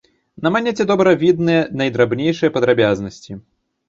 На манеце добра відныя найдрабнейшыя падрабязнасці.